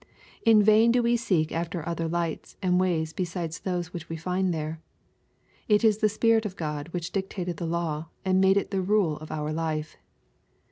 In vain do we seek after other lights and ways besides those which we find there. It is the Spirit of God which dictated the law and made it4he rule of our life.